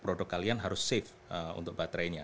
produk kalian harus save untuk baterainya